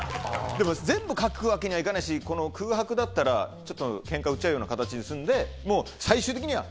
でも全部書くわけにはいかないしこの空白だったらちょっとケンカ売っちゃうような形がするんでもう最終的には。